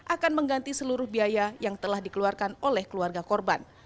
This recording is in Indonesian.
akan mengganti seluruh biaya yang telah dikeluarkan oleh keluarga korban